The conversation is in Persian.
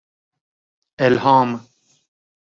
الهام